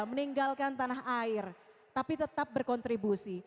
meninggalkan tanah air tapi tetap berkontribusi